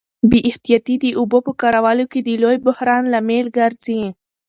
بې احتیاطي د اوبو په کارولو کي د لوی بحران لامل ګرځي.